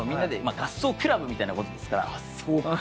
合奏クラブみたいなことですから。